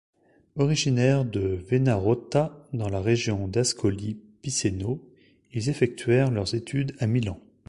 Originaires de Venarotta, dans la région d'Ascoli Piceno, ils effectuèrent leurs études à Milan.